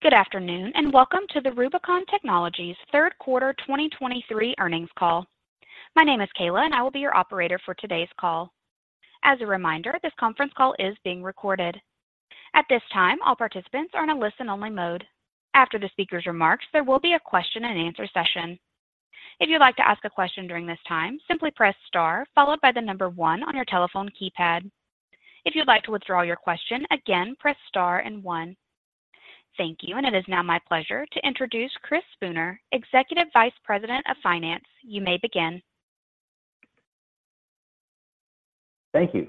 Good afternoon, and welcome to the Rubicon Technologies third quarter 2023 earnings call. My name is Kayla, and I will be your operator for today's call. As a reminder, this conference call is being recorded. At this time, all participants are in a listen-only mode. After the speaker's remarks, there will be a question-and-answer session. If you'd like to ask a question during this time, simply press star followed by the one on your telephone keypad. If you'd like to withdraw your question, again, press star and one. Thank you, and it is now my pleasure to introduce Chris Spooner, Executive Vice President of Finance. You may begin. Thank you.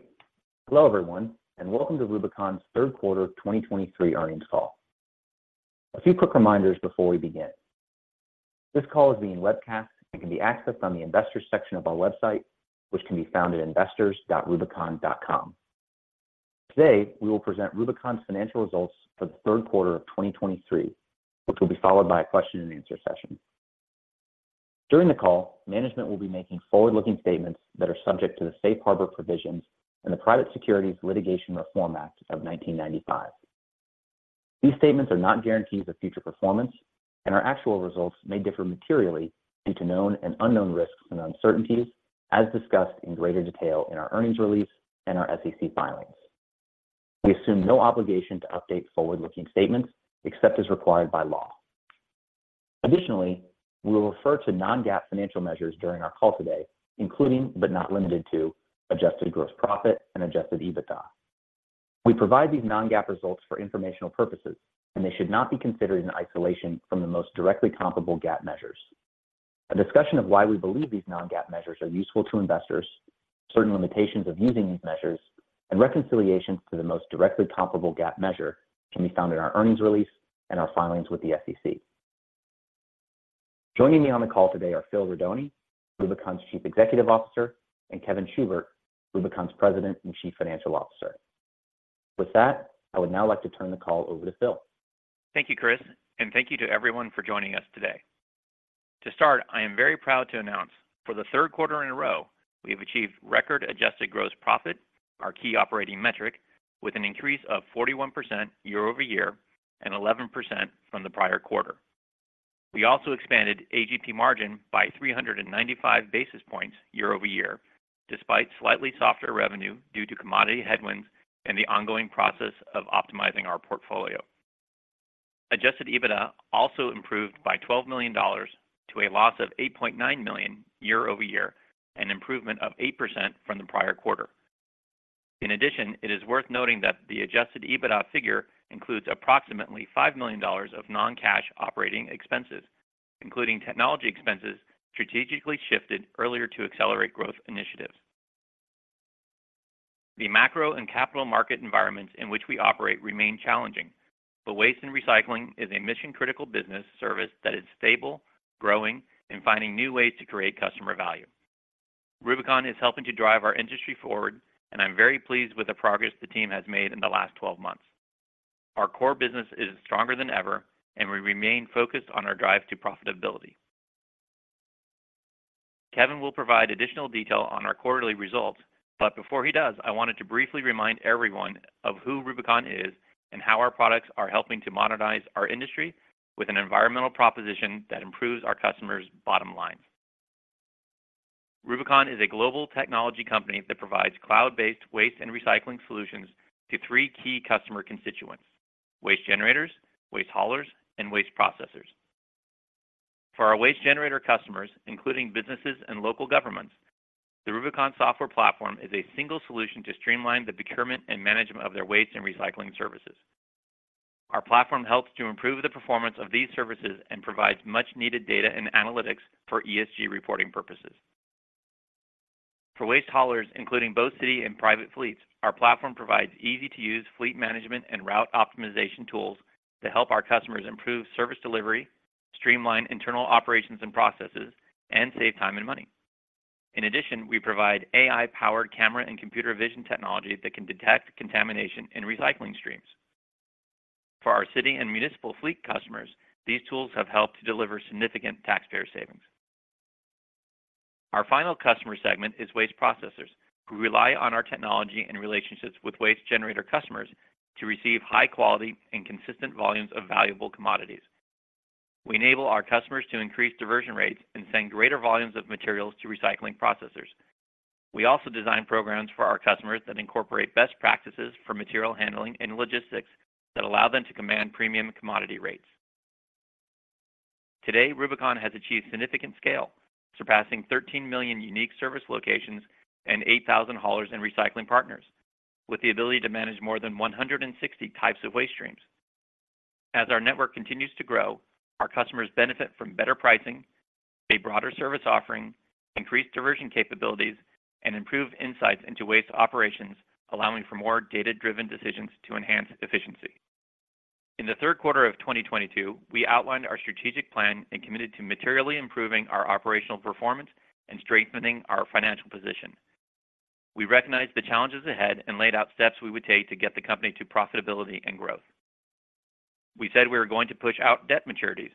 Hello, everyone, and welcome to Rubicon's third quarter 2023 earnings call. A few quick reminders before we begin. This call is being webcast and can be accessed on the Investors section of our website, which can be found at investors.rubicon.com. Today, we will present Rubicon's financial results for the third quarter of 2023, which will be followed by a question-and-answer session. During the call, management will be making forward-looking statements that are subject to the safe harbor provisions and the Private Securities Litigation Reform Act of 1995. These statements are not guarantees of future performance, and our actual results may differ materially due to known and unknown risks and uncertainties, as discussed in greater detail in our earnings release and our SEC filings. We assume no obligation to update forward-looking statements except as required by law. Additionally, we will refer to non-GAAP financial measures during our call today, including, but not limited to, adjusted gross profit and adjusted EBITDA. We provide these non-GAAP results for informational purposes, and they should not be considered in isolation from the most directly comparable GAAP measures. A discussion of why we believe these non-GAAP measures are useful to investors, certain limitations of using these measures, and reconciliations to the most directly comparable GAAP measure can be found in our earnings release and our filings with the SEC. Joining me on the call today are Phil Rodoni, Rubicon's Chief Executive Officer, and Kevin Schubert, Rubicon's President and Chief Financial Officer. With that, I would now like to turn the call over to Phil. Thank you, Chris, and thank you to everyone for joining us today. To start, I am very proud to announce, for the third quarter in a row, we have achieved record adjusted gross profit, our key operating metric, with an increase of 41% year-over-year and 11% from the prior quarter. We also expanded AGP margin by 395 basis points year-over-year, despite slightly softer revenue due to commodity headwinds and the ongoing process of optimizing our portfolio. Adjusted EBITDA also improved by $12 million to a loss of $8.9 million year-over-year, an improvement of 8% from the prior quarter. In addition, it is worth noting that the adjusted EBITDA figure includes approximately $5 million of non-cash operating expenses, including technology expenses, strategically shifted earlier to accelerate growth initiatives. The macro and capital market environments in which we operate remain challenging, but waste and recycling is a mission-critical business service that is stable, growing, and finding new ways to create customer value. Rubicon is helping to drive our industry forward, and I'm very pleased with the progress the team has made in the last 12 months. Our core business is stronger than ever, and we remain focused on our drive to profitability. Kevin will provide additional detail on our quarterly results, but before he does, I wanted to briefly remind everyone of who Rubicon is and how our products are helping to modernize our industry with an environmental proposition that improves our customers' bottom line. Rubicon is a global technology company that provides cloud-based waste and recycling solutions to three key customer constituents: waste generators, waste haulers, and waste processors. For our waste generator customers, including businesses and local governments, the Rubicon software platform is a single solution to streamline the procurement and management of their waste and recycling services. Our platform helps to improve the performance of these services and provides much-needed data and analytics for ESG reporting purposes. For waste haulers, including both city and private fleets, our platform provides easy-to-use fleet management and route optimization tools to help our customers improve service delivery, streamline internal operations and processes, and save time and money. In addition, we provide AI-powered camera and computer vision technology that can detect contamination in recycling streams. For our city and municipal fleet customers, these tools have helped to deliver significant taxpayer savings. Our final customer segment is waste processors, who rely on our technology and relationships with waste generator customers to receive high-quality and consistent volumes of valuable commodities. We enable our customers to increase diversion rates and send greater volumes of materials to recycling processors. We also design programs for our customers that incorporate best practices for material handling and logistics that allow them to command premium commodity rates. Today, Rubicon has achieved significant scale, surpassing 13 million unique service locations and 8,000 haulers and recycling partners, with the ability to manage more than 160 types of waste streams. As our network continues to grow, our customers benefit from better pricing, a broader service offering, increased diversion capabilities, and improved insights into waste operations, allowing for more data-driven decisions to enhance efficiency. In the third quarter of 2022, we outlined our strategic plan and committed to materially improving our operational performance and strengthening our financial position. We recognized the challenges ahead and laid out steps we would take to get the company to profitability and growth. We said we were going to push out debt maturities,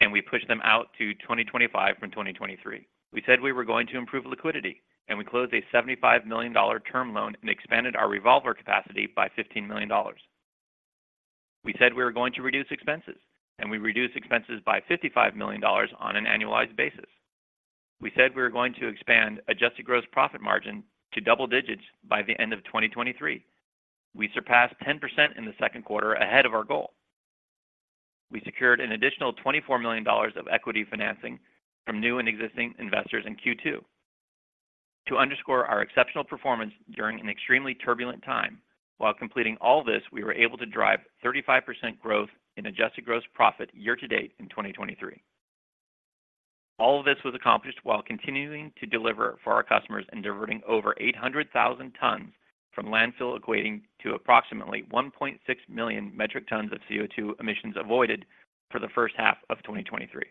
and we pushed them out to 2025 from 2023. We said we were going to improve liquidity, and we closed a $75 million term loan and expanded our revolver capacity by $15 million. We said we were going to reduce expenses, and we reduced expenses by $55 million on an annualized basis. We said we were going to expand adjusted gross profit margin to double digits by the end of 2023. We surpassed 10% in the second quarter, ahead of our goal. We secured an additional $24 million of equity financing from new and existing investors in Q2. To underscore our exceptional performance during an extremely turbulent time, while completing all this, we were able to drive 35% growth in adjusted gross profit year to date in 2023. All of this was accomplished while continuing to deliver for our customers and diverting over 800,000 tons from landfill, equating to approximately 1.6 million metric tons of CO2 emissions avoided for the first half of 2023.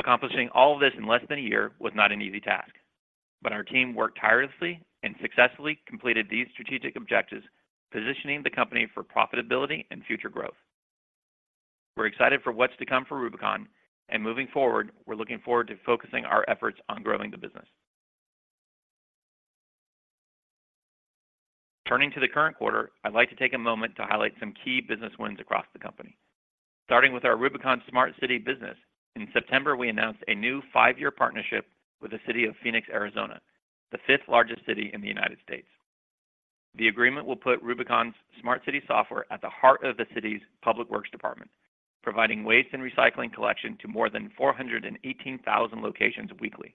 Accomplishing all of this in less than a year was not an easy task, but our team worked tirelessly and successfully completed these strategic objectives, positioning the company for profitability and future growth. We're excited for what's to come for Rubicon, and moving forward, we're looking forward to focusing our efforts on growing the business. Turning to the current quarter, I'd like to take a moment to highlight some key business wins across the company. Starting with our RUBICONSmartCity business, in September, we announced a new five-year partnership with the City of Phoenix, Arizona, the fifth largest city in the United States. The agreement will put RUBICONSmartCity software at the heart of the city's Public Works Department, providing waste and recycling collection to more than 418,000 locations weekly.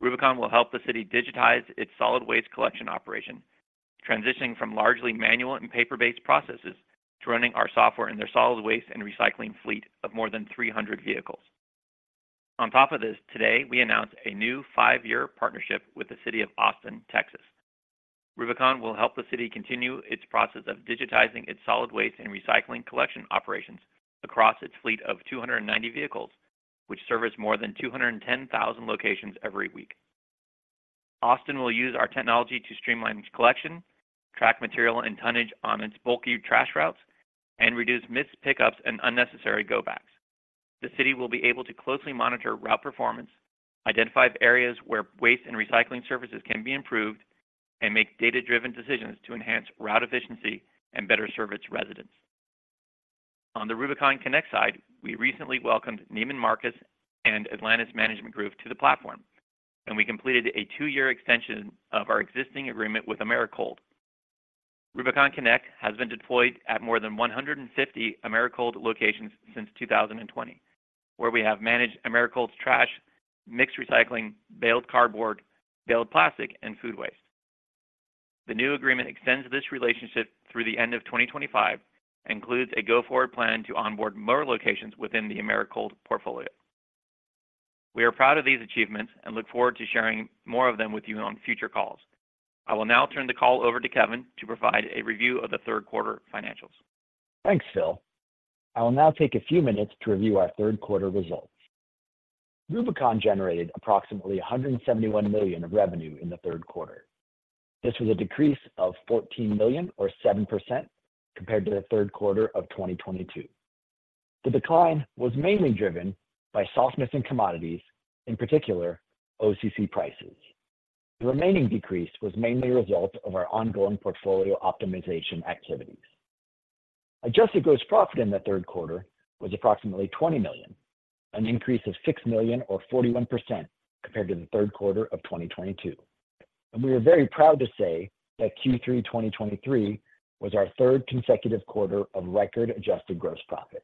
Rubicon will help the city digitize its solid waste collection operation, transitioning from largely manual and paper-based processes to running our software in their solid waste and recycling fleet of more than 300 vehicles. On top of this, today, we announced a new five-year partnership with the City of Austin, Texas. Rubicon will help the city continue its process of digitizing its solid waste and recycling collection operations across its fleet of 290 vehicles, which service more than 210,000 locations every week. Austin will use our technology to streamline collection, track material and tonnage on its bulky trash routes, and reduce missed pickups and unnecessary go-backs. The city will be able to closely monitor route performance, identify areas where waste and recycling services can be improved, and make data-driven decisions to enhance route efficiency and better serve its residents. On the RUBICONConnect side, we recently welcomed Neiman Marcus and Atlantis Management Group to the platform, and we completed a two-year extension of our existing agreement with Americold. RUBICONConnect has been deployed at more than 150 Americold locations since 2020, where we have managed Americold's trash, mixed recycling, baled cardboard, baled plastic, and food waste. The new agreement extends this relationship through the end of 2025 and includes a go-forward plan to onboard more locations within the Americold portfolio. We are proud of these achievements and look forward to sharing more of them with you on future calls. I will now turn the call over to Kevin to provide a review of the third quarter financials. Thanks, Phil. I will now take a few minutes to review our third quarter results. Rubicon generated approximately $171 million of revenue in the third quarter. This was a decrease of $14 million or 7% compared to the third quarter of 2022. The decline was mainly driven by softness in commodities, in particular, OCC prices. The remaining decrease was mainly a result of our ongoing portfolio optimization activities. Adjusted gross profit in the third quarter was approximately $20 million, an increase of $6 million or 41% compared to the third quarter of 2022. We are very proud to say that Q3 2023 was our third consecutive quarter of record adjusted gross profit.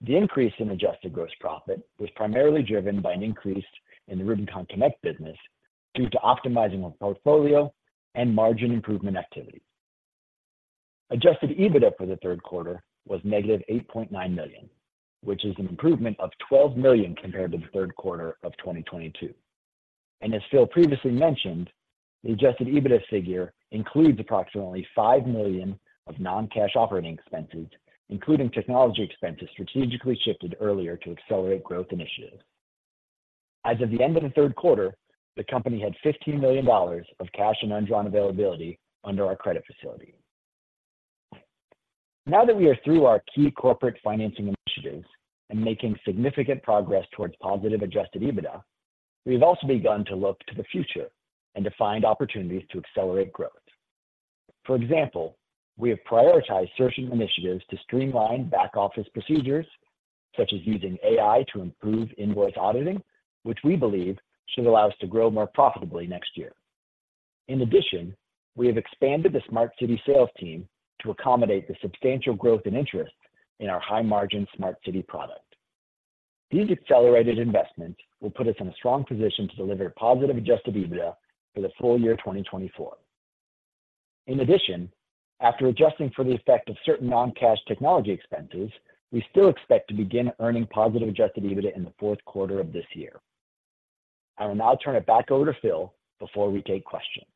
The increase in adjusted gross profit was primarily driven by an increase in the RUBICONConnect business due to optimizing our portfolio and margin improvement activity. Adjusted EBITDA for the third quarter was -$8.9 million, which is an improvement of $12 million compared to the third quarter of 2022. As Phil previously mentioned, the adjusted EBITDA figure includes approximately $5 million of non-cash operating expenses, including technology expenses strategically shifted earlier to accelerate growth initiatives. As of the end of the third quarter, the company had $15 million of cash and undrawn availability under our credit facility. Now that we are through our key corporate financing initiatives and making significant progress towards positive adjusted EBITDA, we've also begun to look to the future and to find opportunities to accelerate growth. For example, we have prioritized certain initiatives to streamline back office procedures, such as using AI to improve invoice auditing, which we believe should allow us to grow more profitably next year. In addition, we have expanded the Smart City sales team to accommodate the substantial growth and interest in our high-margin Smart City product. These accelerated investments will put us in a strong position to deliver positive adjusted EBITDA for the full year 2024. In addition, after adjusting for the effect of certain non-cash technology expenses, we still expect to begin earning positive adjusted EBITDA in the fourth quarter of this year. I will now turn it back over to Phil before we take questions.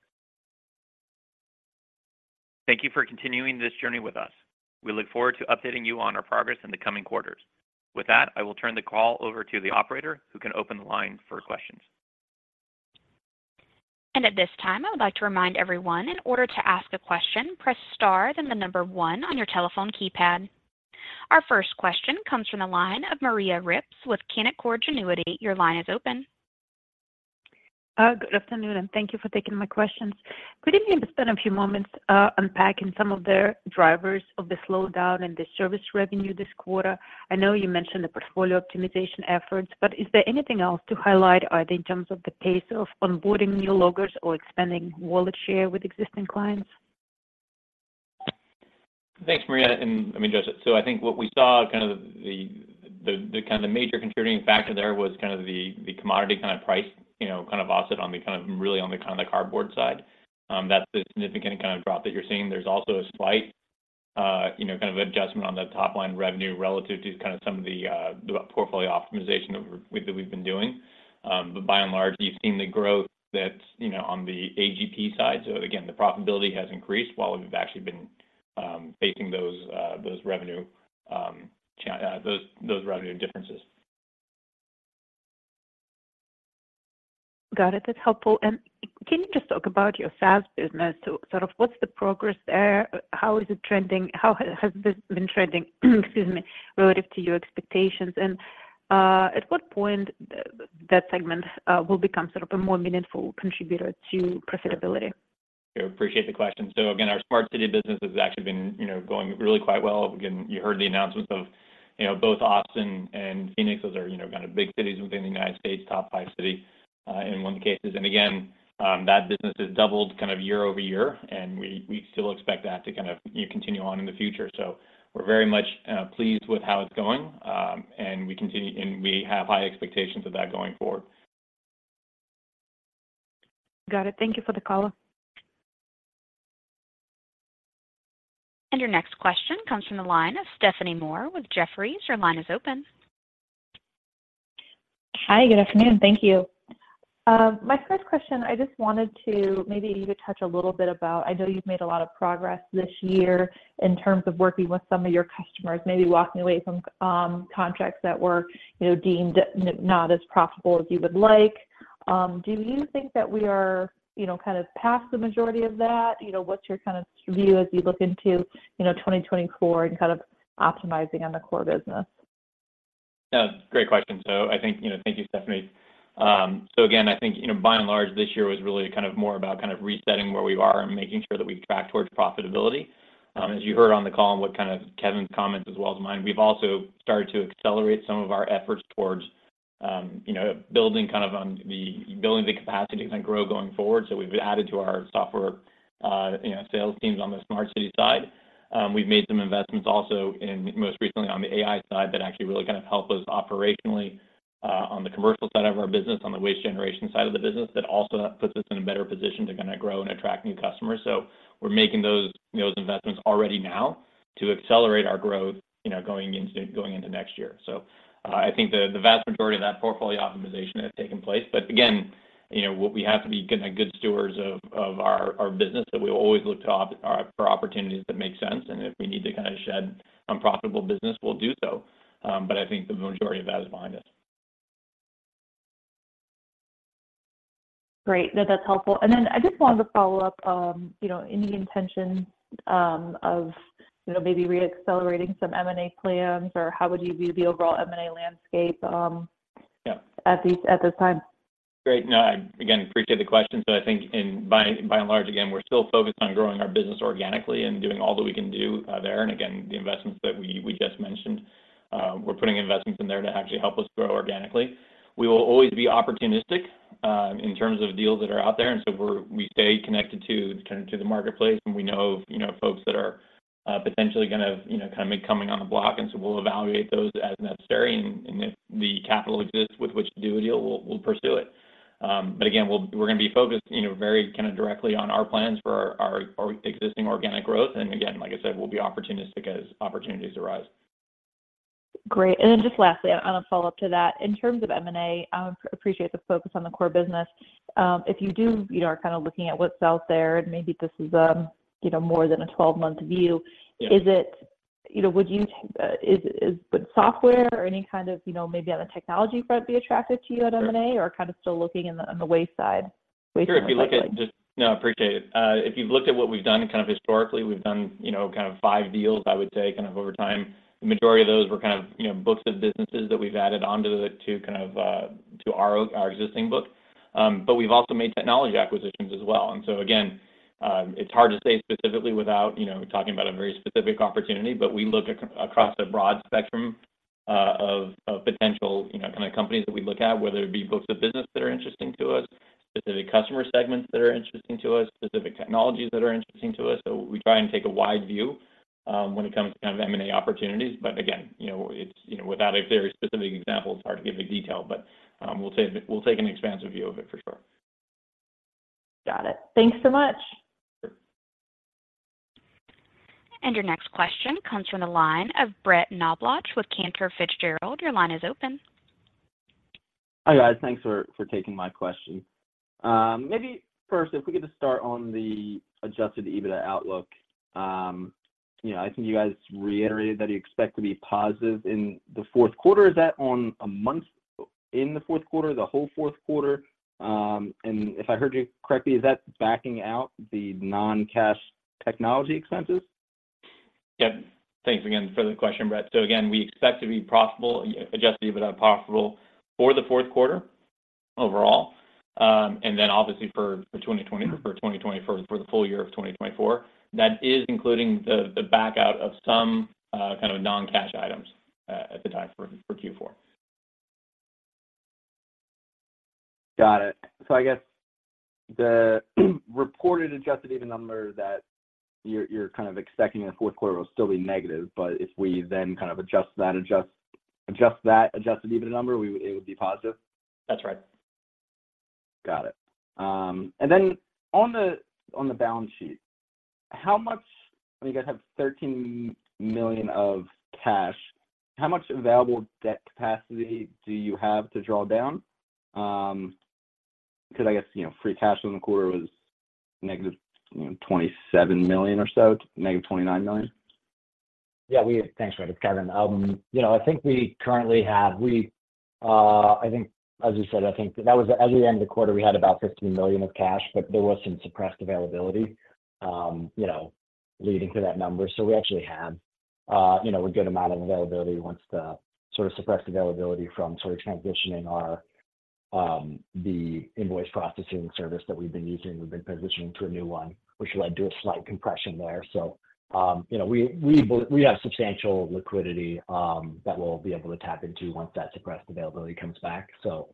Thank you for continuing this journey with us. We look forward to updating you on our progress in the coming quarters. With that, I will turn the call over to the operator, who can open the line for questions. At this time, I would like to remind everyone, in order to ask a question, press star, then the number one on your telephone keypad. Our first question comes from the line of Maria Ripps with Canaccord Genuity. Your line is open. Good afternoon, and thank you for taking my questions. Could you maybe spend a few moments, unpacking some of the drivers of the slowdown in the service revenue this quarter? I know you mentioned the portfolio optimization efforts, but is there anything else to highlight, either in terms of the pace of onboarding new logos or expanding wallet share with existing clients? Thanks, Maria. So I think what we saw, kind of the major contributing factor there was kind of the commodity kind of price, you know, kind of offset really on the cardboard side. That's a significant kind of drop that you're seeing. There's also a slight, you know, kind of adjustment on the top-line revenue relative to kind of some of the portfolio optimization that we've been doing. But by and large, you've seen the growth that's, you know, on the AGP side. So again, the profitability has increased while we've actually been facing those revenue differences. Got it. That's helpful. Can you just talk about your SaaS business to sort of what's the progress there? How is it trending? How has it been trending, excuse me, relative to your expectations? And at what point that segment will become sort of a more meaningful contributor to profitability? I appreciate the question. So again, our Smart City business has actually been, you know, going really quite well. Again, you heard the announcements of, you know, both Austin and Phoenix. Those are, you know, kind of big cities within the United States, top five city in one case. And again, that business has doubled kind of year-over-year, and we still expect that to kind of, you know, continue on in the future. So we're very much pleased with how it's going, and we continue, and we have high expectations of that going forward. Got it. Thank you for the color. Your next question comes from the line of Stephanie Moore with Jefferies. Your line is open. Hi, good afternoon. Thank you. My first question, I just wanted to maybe touch a little bit about I know you've made a lot of progress this year in terms of working with some of your customers, maybe walking away from, contracts that were, you know, deemed not as profitable as you would like. Do you think that we are, you know, kind of past the majority of that? You know, what's your kind of view as you look into 2024 and kind of optimizing on the core business? Great question. So I think, you know, thank you, Stephanie. So again, I think, you know, by and large, this year was really kind of more about kind of resetting where we are and making sure that we track towards profitability. As you heard on the call and what kind of Kevin's comments as well as mine, we've also started to accelerate some of our efforts towards, you know, building kind of on the building the capacity to grow going forward. So we've added to our software, you know, sales teams on the Smart City side. We've made some investments also in, most recently on the AI side, that actually really kind of help us operationally, on the commercial side of our business, on the waste generation side of the business. That also puts us in a better position to kinda grow and attract new customers. So we're making those investments already now to accelerate our growth, you know, going into next year. So, I think the vast majority of that portfolio optimization has taken place. But again, you know, we have to be good stewards of our business, that we always look for opportunities that make sense, and if we need to kind of shed unprofitable business, we'll do so. But I think the majority of that is behind us. Great. That's helpful. And then I just wanted to follow up, you know, any intention, of, you know, maybe reaccelerating some M&A plans, or how would you view the overall M&A landscape- Yeah... at this time? Great. No, I again appreciate the question, but I think by and large, again, we're still focused on growing our business organically and doing all that we can do there. And again, the investments that we just mentioned, we're putting investments in there to actually help us grow organically. We will always be opportunistic in terms of deals that are out there, and so we stay connected to kind of to the marketplace, and we know of you know folks that are potentially gonna you know kind of be coming on the block, and so we'll evaluate those as necessary, and if the capital exists with which to do a deal, we'll pursue it. But again, we're gonna be focused you know very kind of directly on our plans for our existing organic growth. And again, like I said, we'll be opportunistic as opportunities arise. Great. And then just lastly, on a follow-up to that, in terms of M&A, I appreciate the focus on the core business. If you do, you know, are kind of looking at what's out there, and maybe this is, you know, more than a 12-month view. Yeah Is it, you know, would you, is the software or any kind of, you know, maybe on the technology front, be attractive to you at M&A- Sure... or kind of still looking in the, on the waste side? Sure. If you look at, no, I appreciate it. If you've looked at what we've done kind of historically, we've done, you know, kind of five deals, I would say, kind of over time. The majority of those were kind of, you know, books of businesses that we've added onto the, to kind of, to our existing book. But we've also made technology acquisitions as well. And so again, it's hard to say specifically without, you know, talking about a very specific opportunity, but we look across a broad spectrum of potential, you know, kind of companies that we look at, whether it be books of business that are interesting to us, specific customer segments that are interesting to us, specific technologies that are interesting to us. So we try and take a wide view when it comes to kind of M&A opportunities. But again, you know, it's, you know, without a very specific example, it's hard to give a detail, but we'll take an expansive view of it for sure. Got it. Thanks so much! Your next question comes from the line of Brett Knoblauch with Cantor Fitzgerald. Your line is open. Hi, guys. Thanks for taking my question. Maybe first, if we could just start on the adjusted EBITDA outlook. You know, I think you guys reiterated that you expect to be positive in the fourth quarter. Is that on a month in the fourth quarter, the whole fourth quarter? And if I heard you correctly, is that backing out the non-cash technology expenses? Yep. Thanks again for the question, Brett. So again, we expect to be profitable, adjusted EBITDA profitable for the fourth quarter overall. And then obviously for 2024, for the full year of 2024, that is including the backout of some kind of non-cash items at the time for Q4. Got it. So I guess the reported adjusted EBITDA number that you're kind of expecting in the fourth quarter will still be negative, but if we then kind of adjust that adjusted EBITDA number, we would, it would be positive? That's right. Got it. And then on the balance sheet, how much, I mean, you guys have $13 million of cash. How much available debt capacity do you have to draw down? Because I guess, you know, free cash flow in the quarter was -$27 million or so, -$29 million. Yeah, thanks, Brett. It's Kevin. You know, I think we currently have. I think as you said, that was at the end of the quarter, we had about $15 million of cash, but there was some suppressed availability, you know, leading to that number. So we actually have, you know, a good amount of availability once the suppressed availability from transitioning our, the invoice processing service that we've been using, we've been transitioning to a new one, which led to a slight compression there. So, you know, we have substantial liquidity, that we'll be able to tap into once that suppressed availability comes back. So,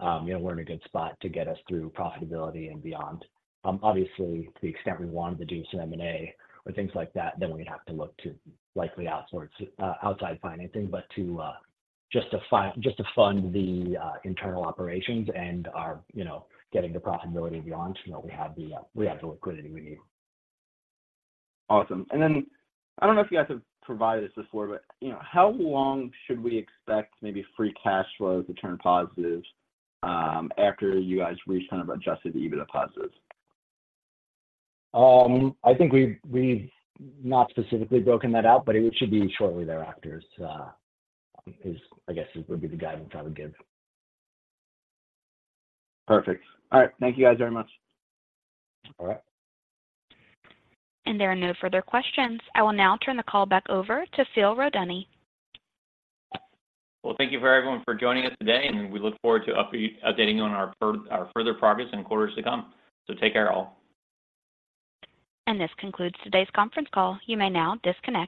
you know, we're in a good spot to get us through profitability and beyond. Obviously, to the extent we wanted to do some M&A or things like that, then we'd have to look to likely outwards, outside financing. But just to fund the internal operations and our, you know, getting to profitability and beyond, you know, we have the liquidity we need. Awesome. And then, I don't know if you guys have provided this before, but you know, how long should we expect maybe free cash flow to turn positive after you guys reach kind of adjusted EBITDA positive? I think we've not specifically broken that out, but it should be shortly thereafter. I guess would be the guidance I would give. Perfect. All right. Thank you guys very much. All right. There are no further questions. I will now turn the call back over to Phil Rodoni. Well, thank you to everyone for joining us today, and we look forward to updating you on our further progress in quarters to come. So take care, all. This concludes today's conference call. You may now disconnect.